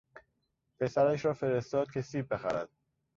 پسرش را فرستاد که سیب بخرد.